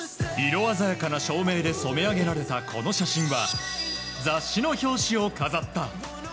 色鮮やかな照明で染め上げられたこの写真は、雑誌の表紙を飾った。